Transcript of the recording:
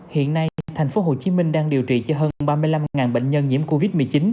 hiện nay tp hcm đang điều trị cho hơn ba mươi năm bệnh nhân nhiễm covid một mươi chín